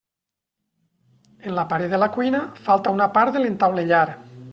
En la paret de la cuina falta una part per entaulellar.